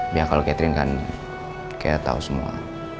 biar kalau catherine kan kayak tau semua